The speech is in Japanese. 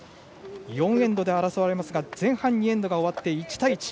４エンドで争いますが前半のエンドが終わって１対１